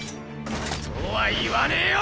とは言わねぇよ！